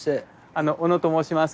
あの小野と申します。